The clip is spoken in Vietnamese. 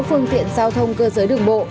phương tiện giao thông cơ giới đường bộ